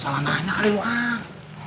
salah nanya kali uang